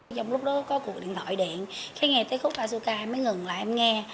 trong lúc đó có cuộc điện thoại điện nghe tới khúc asuka em mới ngừng lại em nghe